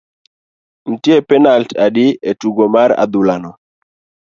Ne nitie penalt adi e tugo mar adhula no?